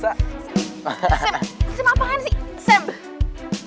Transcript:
sam sam apaan sih